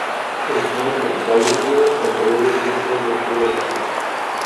El clima es tropical húmedo, el periodo lluvioso es de octubre a marzo.